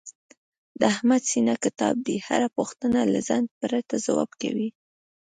د احمد سینه کتاب دی، هره پوښتنه له ځنډ پرته ځواب کوي.